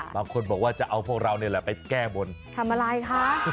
บางคนบอกว่าจะเอาพวกเรานี่แหละไปแก้บนทำอะไรคะ